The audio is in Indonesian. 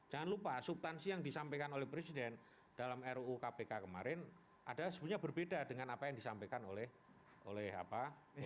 jangan lupa subtansi yang disampaikan oleh presiden dalam ruu kpk kemarin adalah sebenarnya berbeda dengan apa yang disampaikan oleh apa